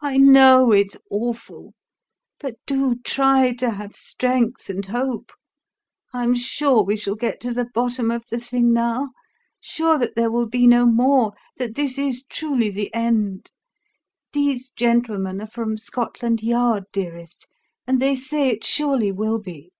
I know it's awful; but do try to have strength and hope. I am sure we shall get at the bottom of the thing now sure that there will be no more that this is truly the end. These gentlemen are from Scotland Yard, dearest, and they say it surely will be."